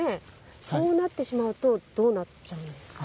そうなってしまうとどうなっちゃうんですか？